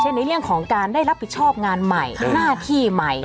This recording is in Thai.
ในเรื่องของการได้รับผิดชอบงานใหม่หน้าที่ใหม่